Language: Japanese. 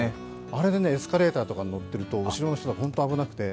あれでエスカレーターとかに乗っていると後ろの人がホント危なくて。